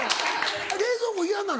冷蔵庫嫌なの？